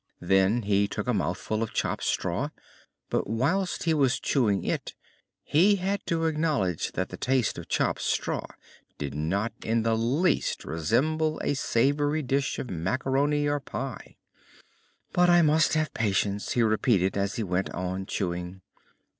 Then he took a mouthful of chopped straw, but whilst he was chewing it he had to acknowledge that the taste of chopped straw did not in the least resemble a savory dish of macaroni or pie. "But I must have patience!" he repeated as he went on chewing.